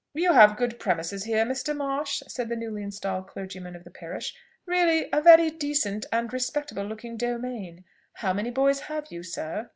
"You have good premises here, Mr. Marsh," said the newly installed clergyman of the parish; "really a very decent and respectable looking domain. How many boys have you, sir?"